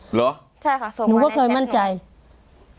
เหรอนุเห้อเคยมั่นใจใช่ค่ะส่งมาในแจ็คหนู